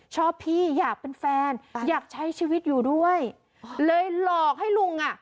ชอบพี่อยากเป็นแฟนอยากใช้ชีวิตอยู่ด้วยเลยหลอกให้ลุงอ่ะ